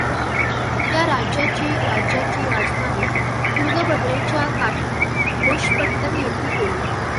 या राज्याची राज्याची राजधानी तुंगभद्रेच्या काठी होशपट्टण येथे केली.